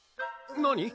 何？